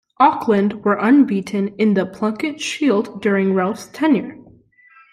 Auckland were unbeaten in the Plunket Shield during Relf's tenure.